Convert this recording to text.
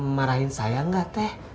marahin saya gak teh